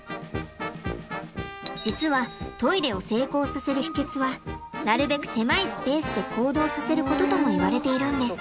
実はトイレを成功させる秘けつはなるべく狭いスペースで行動させることともいわれているんです。